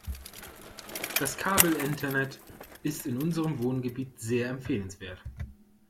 Das Kabelinternet ist in unserem Wohngebiet sehr empfehlenswert.